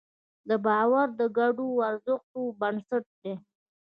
دا باور د ګډو ارزښتونو بنسټ دی.